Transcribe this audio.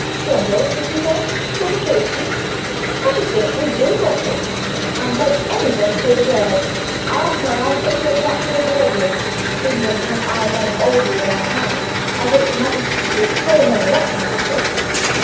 Grumble, did he say? Suffocation! I should think we do grumble; and, let anybody say the word, I'll turn out into the piazza with the readiest, sooner than have our money altered in our hands as if the magistracy were so many necromancers.